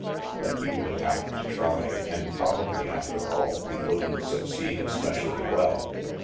But you would have to try and probably, after all, you wouldn't succeed especially well.